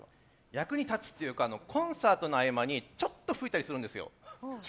役に立つというかコンサートの合間にちょっと吹いたりするんですよ。